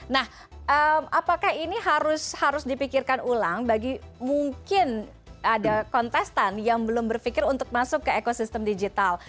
nah apakah ini harus dipikirkan ulang bagi mungkin ada kontestan yang belum berpikir untuk masuk ke ekosistem digital